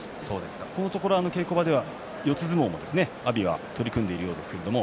このところ稽古場では四つ相撲も阿炎は取り組んでいるようですけれども。